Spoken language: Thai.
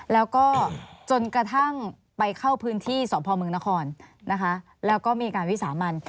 แล้วก็จนกระทั่งไปเข้าพื้นที่สพมนครนะคะแล้วก็มีการวิสามัน